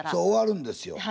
そう終わるんですよ。